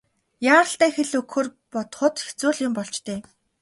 Яаралтай хэл өгөхөөр бодоход хэцүү л юм болж дээ.